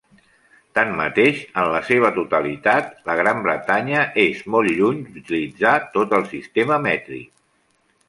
Tanmateix, en la seva totalitat, la Gran Bretanya és molt lluny d'utilitzar tot el sistema mètric.